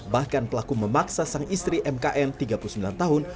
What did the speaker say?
bahkan pelaku memaksa sang istri mkm tiga puluh sembilan tahun